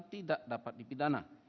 tidak dapat dipidana